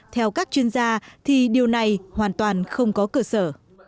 theo các chuyên gia thì điều này hoàn toàn không có cơ sở